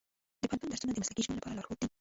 د پوهنتون درسونه د مسلکي ژوند لپاره لارښود دي.